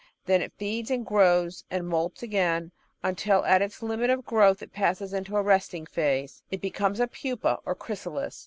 Then it feeds and grows and moults again, until at its limit of growth it passes into a resting phase. It becomes a pupa, or chrysalis.